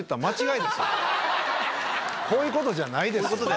こういうことじゃないですよね。